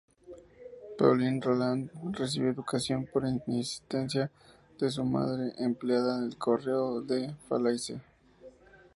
Pauline Roland recibió educación por insistencia de su madre, empleada del correo en Falaise.